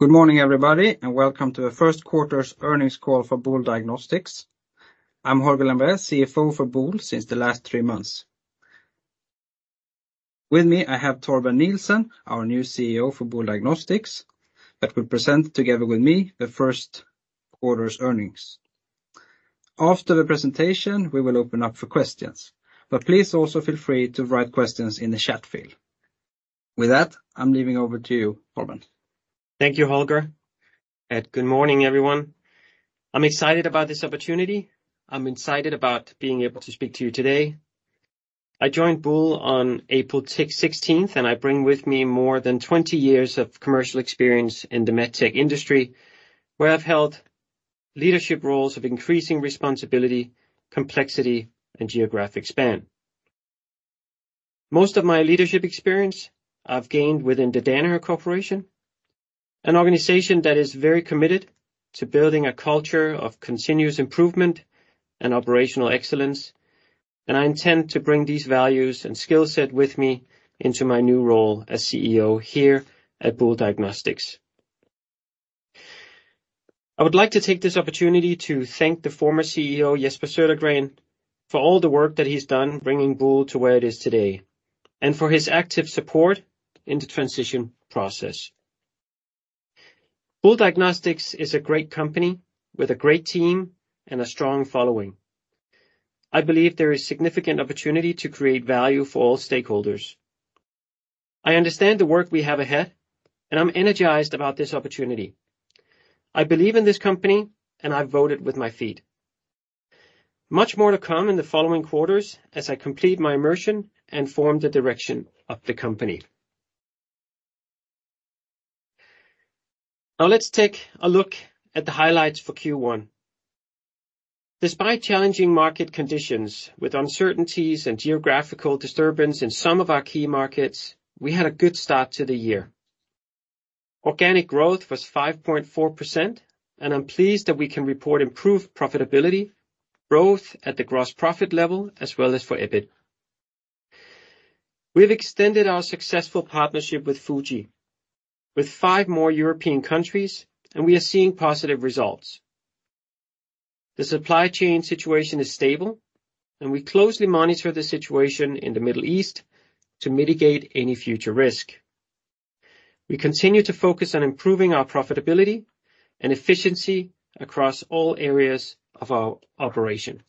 Good morning everybody, and welcome to the first quarter's earnings call for Boule Diagnostics. I'm Holger Lembrér, CFO for Boule since the last three months. With me I have Torben Nielsen, our new CEO for Boule Diagnostics, that will present together with me the first quarter's earnings. After the presentation we will open up for questions, but please also feel free to write questions in the chat field. With that, I'm leaving over to you, Torben. Thank you, Holger, and good morning everyone. I'm excited about this opportunity. I'm excited about being able to speak to you today. I joined Boule on April 16th, and I bring with me more than 20 years of commercial experience in the medtech industry, where I've held leadership roles of increasing responsibility, complexity, and geographic span. Most of my leadership experience I've gained within the Danaher Corporation, an organization that is very committed to building a culture of continuous improvement and operational excellence, and I intend to bring these values and skill set with me into my new role as CEO here at Boule Diagnostics. I would like to take this opportunity to thank the former CEO, Jesper Söderqvist, for all the work that he's done bringing Boule to where it is today, and for his active support in the transition process. Boule Diagnostics is a great company with a great team and a strong following. I believe there is significant opportunity to create value for all stakeholders. I understand the work we have ahead, and I'm energized about this opportunity. I believe in this company, and I've voted with my feet. Much more to come in the following quarters as I complete my immersion and form the direction of the company. Now let's take a look at the highlights for Q1. Despite challenging market conditions with uncertainties and geographical disturbance in some of our key markets, we had a good start to the year. Organic growth was 5.4%, and I'm pleased that we can report improved profitability, growth at the gross profit level, as well as for EBIT. We've extended our successful partnership with Fuji, with five more European countries, and we are seeing positive results. The supply chain situation is stable, and we closely monitor the situation in the Middle East to mitigate any future risk. We continue to focus on improving our profitability and efficiency across all areas of our operation.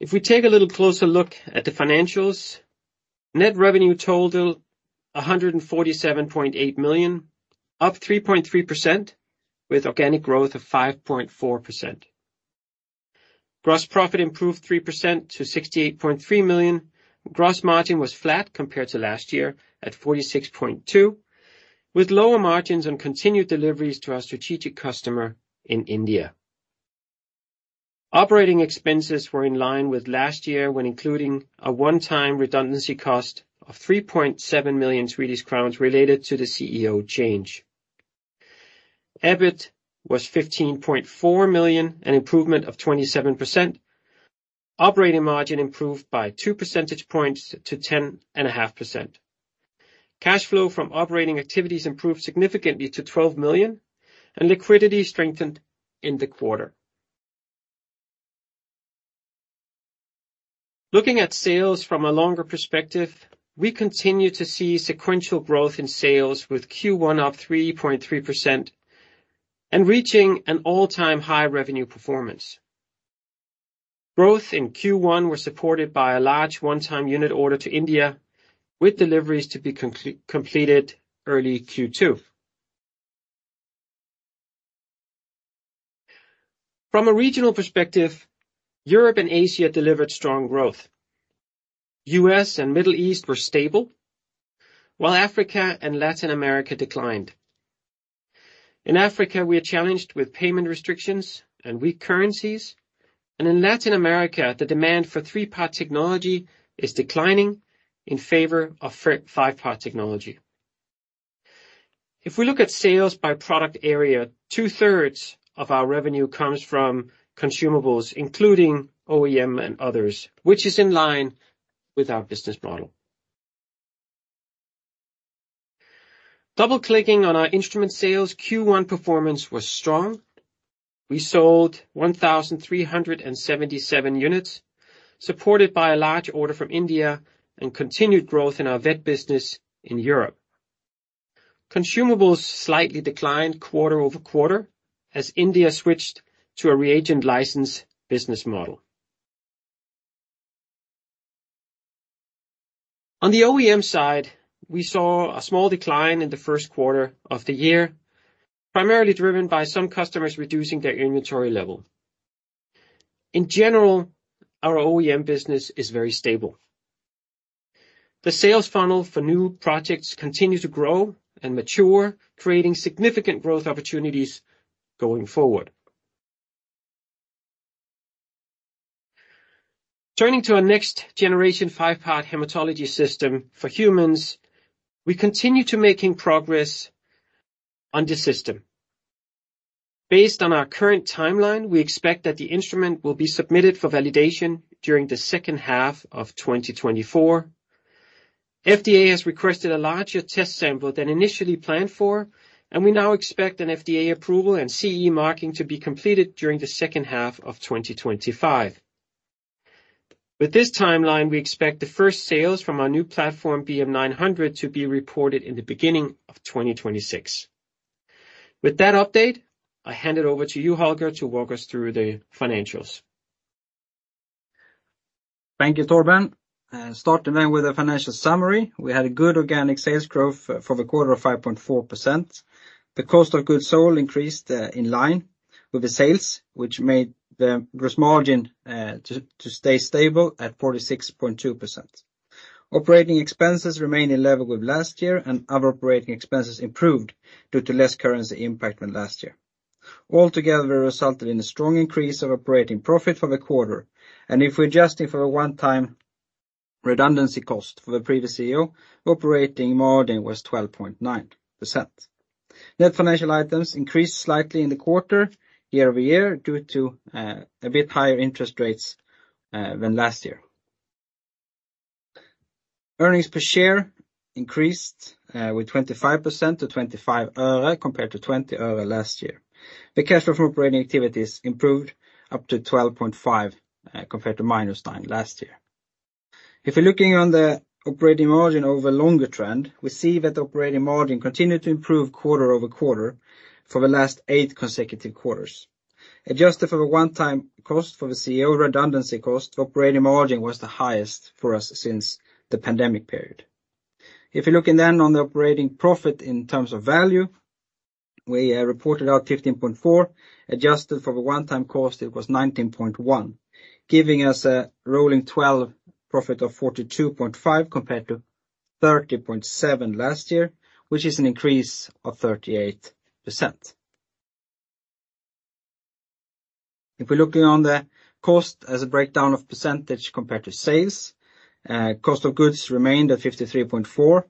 If we take a little closer look at the financials, net revenue totaled 147.8 million, up 3.3% with organic growth of 5.4%. Gross profit improved 3% to 68.3 million, and gross margin was flat compared to last year at 46.2%, with lower margins on continued deliveries to our strategic customer in India. Operating expenses were in line with last year when including a one-time redundancy cost of 3.7 million Swedish crowns related to the CEO change. EBIT was 15.4 million, an improvement of 27%, operating margin improved by 2 percentage points to 10.5%. Cash flow from operating activities improved significantly to 12 million, and liquidity strengthened in the quarter. Looking at sales from a longer perspective, we continue to see sequential growth in sales with Q1 up 3.3% and reaching an all-time high revenue performance. Growth in Q1 was supported by a large one-time unit order to India, with deliveries to be completed early Q2. From a regional perspective, Europe and Asia delivered strong growth. U.S. and Middle East were stable, while Africa and Latin America declined. In Africa, we are challenged with payment restrictions and weak currencies, and in Latin America, the demand for 3-part technology is declining in favor of 5-part technology. If we look at sales by product area, 2/3 of our revenue comes from consumables, including OEM and others, which is in line with our business model. Double-clicking on our instrument sales, Q1 performance was strong. We sold 1,377 units, supported by a large order from India and continued growth in our vet business in Europe. Consumables slightly declined quarter-over-quarter as India switched to a reagent license business model. On the OEM side, we saw a small decline in the first quarter of the year, primarily driven by some customers reducing their inventory level. In general, our OEM business is very stable. The sales funnel for new projects continues to grow and mature, creating significant growth opportunities going forward. Turning to our next-generation 5-part hematology system for humans, we continue to make progress on the system. Based on our current timeline, we expect that the instrument will be submitted for validation during the second half of 2024. FDA has requested a larger test sample than initially planned for, and we now expect an FDA approval and CE marking to be completed during the second half of 2025. With this timeline, we expect the first sales from our new platform, BM900, to be reported in the beginning of 2026. With that update, I hand it over to you, Holger, to walk us through the financials. Thank you, Torben. Starting then with a financial summary, we had a good organic sales growth for the quarter of 5.4%. The cost of goods sold increased in line with the sales, which made the gross margin stay stable at 46.2%. Operating expenses remain in level with last year, and other operating expenses improved due to less currency impact than last year. Altogether, we resulted in a strong increase of operating profit for the quarter, and if we're adjusting for the one-time redundancy cost for the previous CEO, operating margin was 12.9%. Net financial items increased slightly in the quarter year-over-year due to a bit higher interest rates than last year. Earnings per share increased with 25% to SEK 0.25 compared to SEK 0.20 last year. The cash flow from operating activities improved up to 12.5 million compared to -9 million last year. If we're looking on the operating margin over a longer trend, we see that the operating margin continued to improve quarter-over-quarter for the last eight consecutive quarters. Adjusted for the one-time cost for the CEO redundancy cost, the operating margin was the highest for us since the pandemic period. If we look in then on the operating profit in terms of value, we reported out 15.4 million. Adjusted for the one-time cost, it was 19.1 million, giving us a rolling 12 profit of 42.5 million compared to 30.7 million last year, which is an increase of 38%. If we're looking on the cost as a breakdown of percentage compared to sales, cost of goods remained at 53.4%.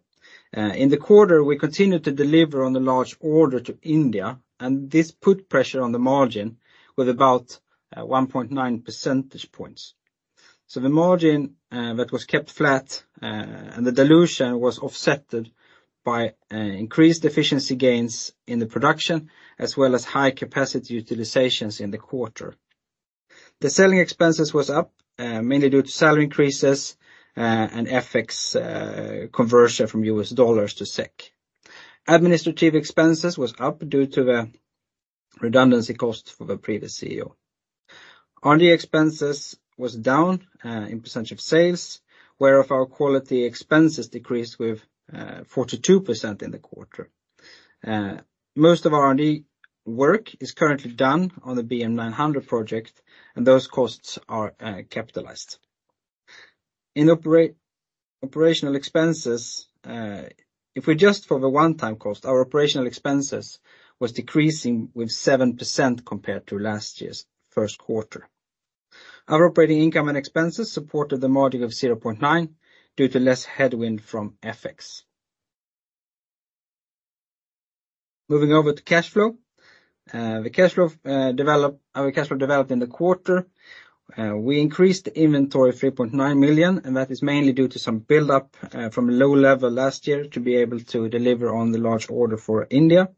In the quarter, we continued to deliver on a large order to India, and this put pressure on the margin with about 1.9 percentage points. So the margin that was kept flat and the dilution was offset by increased efficiency gains in the production as well as high capacity utilizations in the quarter. The selling expenses were up, mainly due to salary increases and FX conversion from U.S. dollars to SEK. Administrative expenses were up due to the redundancy cost for the previous CEO. R&D expenses were down in percentage of sales, whereas our quality expenses decreased with 42% in the quarter. Most of our R&D work is currently done on the BM900 project, and those costs are capitalized. In operational expenses, if we adjust for the one-time cost, our operational expenses were decreasing with 7% compared to last year's first quarter. Our operating income and expenses supported the margin of 0.9% due to less headwind from FX. Moving over to cash flow, the cash flow developed in the quarter. We increased the inventory 3.9 million, and that is mainly due to some buildup from a low level last year to be able to deliver on the large order for India.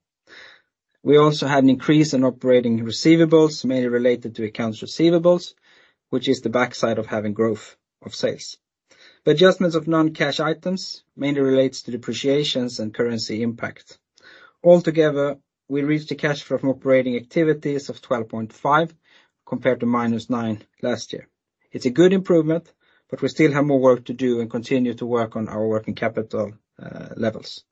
We also had an increase in operating receivables, mainly related to accounts receivables, which is the backside of having growth of sales. The adjustments of non-cash items mainly relate to depreciations and currency impact. Altogether, we reached a cash flow from operating activities of 12.5 million compared to -9 million last year. It's a good improvement, but we still have more work to do and continue to work on our working capital levels.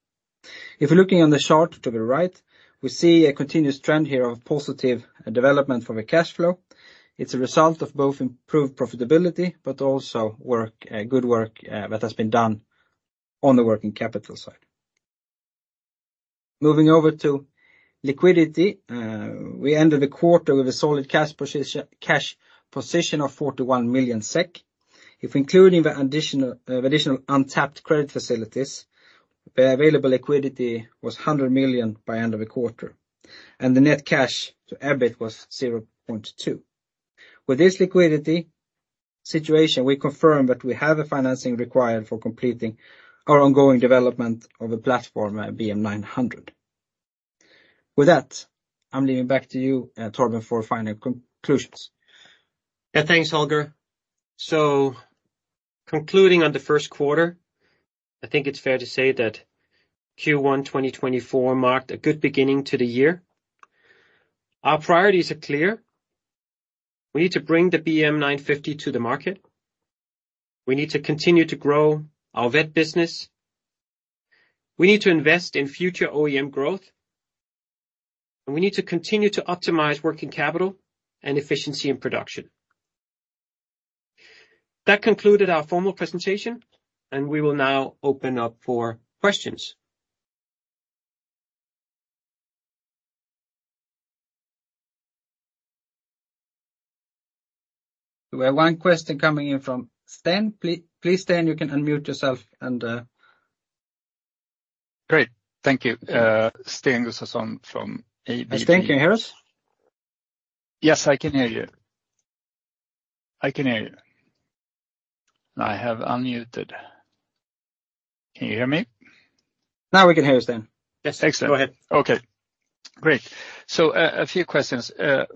If we're looking on the chart to the right, we see a continuous trend here of positive development for the cash flow. It's a result of both improved profitability but also good work that has been done on the working capital side. Moving over to liquidity, we ended the quarter with a solid cash position of 41 million SEK. If we're including the additional untapped credit facilities, the available liquidity was 100 million by the end of the quarter, and the net cash to EBIT was 0.2x. With this liquidity situation, we confirm that we have the financing required for completing our ongoing development of the platform BM900. With that, I'm handing back to you, Torben, for final conclusions. Yeah, thanks, Holger. So concluding on the first quarter, I think it's fair to say that Q1 2024 marked a good beginning to the year. Our priorities are clear. We need to bring the BM950 to the market. We need to continue to grow our vet business. We need to invest in future OEM growth, and we need to continue to optimize working capital and efficiency in production. That concluded our formal presentation, and we will now open up for questions. We have one question coming in from Sten. Please, Sten, you can unmute yourself and. Great. Thank you. Sten Gustafsson from ABG. Sten, can you hear us? Yes, I can hear you. I can hear you. I have unmuted. Can you hear me? Now we can hear you, Sten. Yes. Excellent. Go ahead. Okay. Great. So a few questions.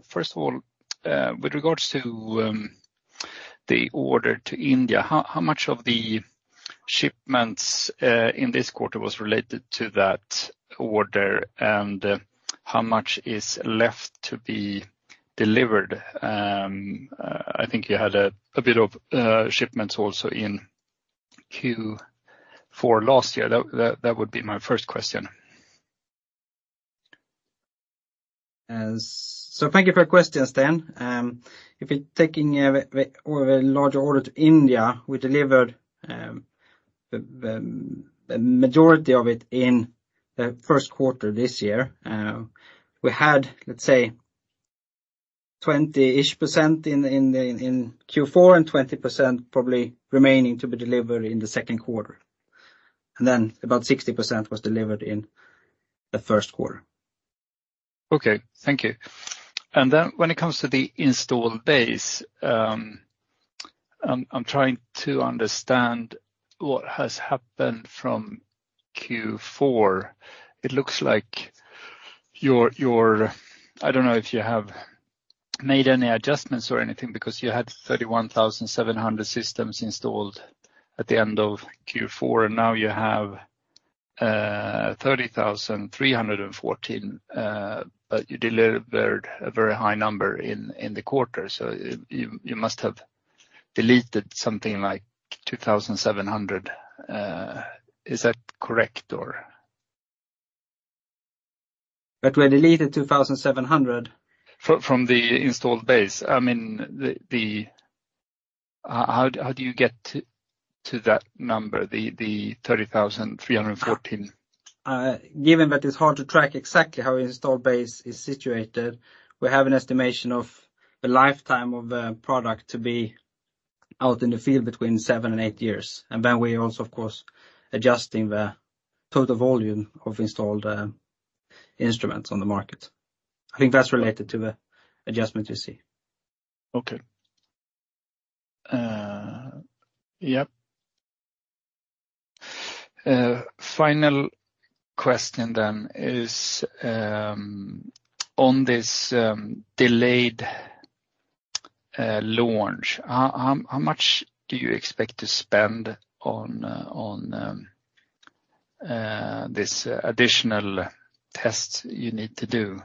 First of all, with regards to the order to India, how much of the shipments in this quarter was related to that order, and how much is left to be delivered? I think you had a bit of shipments also in Q4 last year. That would be my first question. Thank you for your question, Sten. If we're taking over the larger order to India, we delivered the majority of it in the first quarter this year. We had, let's say, 20-ish percent in Q4 and 20% probably remaining to be delivered in the second quarter. And then about 60% was delivered in the first quarter. Okay. Thank you. And then when it comes to the installed base, I'm trying to understand what has happened from Q4. It looks like you're, I don't know if you have made any adjustments or anything because you had 31,700 systems installed at the end of Q4, and now you have 30,314, but you delivered a very high number in the quarter. So you must have deleted something like 2,700. Is that correct, or? But we deleted 2,700? From the installed base. I mean, how do you get to that number, the 30,314? Given that it's hard to track exactly how the installed base is situated, we have an estimation of the lifetime of the product to be out in the field between seven and eight years. Then we're also, of course, adjusting the total volume of installed instruments on the market. I think that's related to the adjustment you see. Okay. Yep. Final question then is on this delayed launch. How much do you expect to spend on this additional tests you need to do?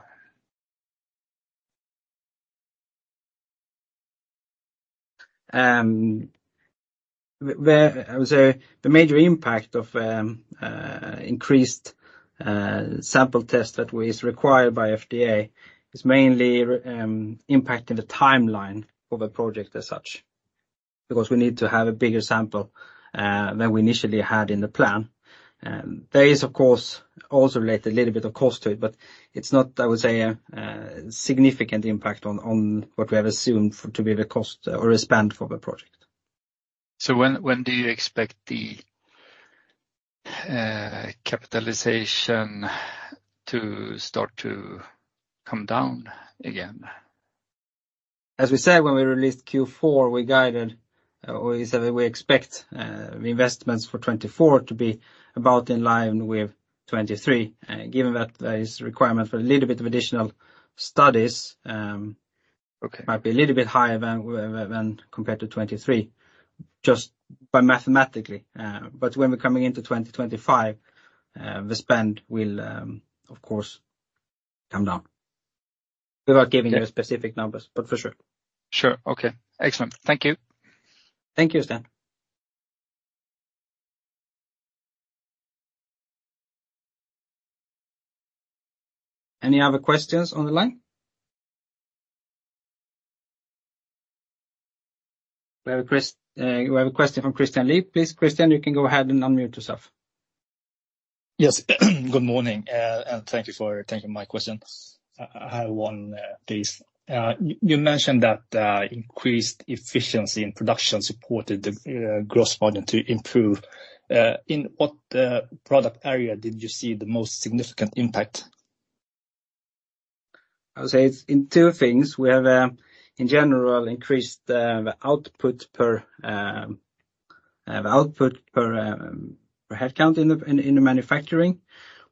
I would say the major impact of increased sample tests that is required by FDA is mainly impacting the timeline of a project as such because we need to have a bigger sample than we initially had in the plan. There is, of course, also related a little bit of cost to it, but it's not, I would say, a significant impact on what we have assumed to be the cost or the spend for the project. When do you expect the capitalization to start to come down again? As we said, when we released Q4, we guided or we said that we expect the investments for 2024 to be about in line with 2023. Given that there is a requirement for a little bit of additional studies, it might be a little bit higher than compared to 2023 just mathematically. But when we're coming into 2025, the spend will, of course, come down without giving you specific numbers, but for sure. Sure. Okay. Excellent. Thank you. Thank you, Sten. Any other questions on the line? We have a question from Christian Lee, please. Christian, you can go ahead and unmute yourself. Yes. Good morning, and thank you for taking my question. I have one, please. You mentioned that increased efficiency in production supported the gross margin to improve. In what product area did you see the most significant impact? I would say it's in two things. We have, in general, increased the output per headcount in the manufacturing.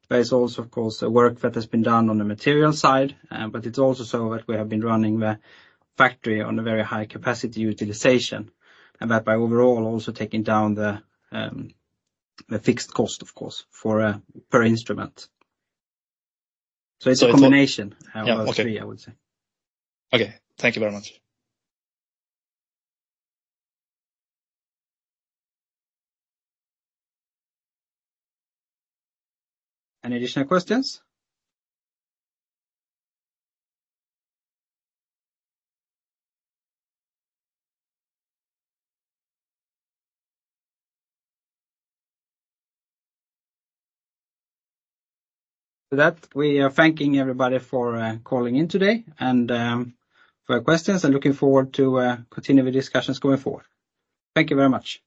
There's also, of course, work that has been done on the material side, but it's also so that we have been running the factory on a very high capacity utilization and that by overall also taking down the fixed cost, of course, per instrument. So it's a combination of three, I would say. Okay. Thank you very much. Any additional questions? With that, we are thanking everybody for calling in today and for your questions, and looking forward to continuing with discussions going forward. Thank you very much.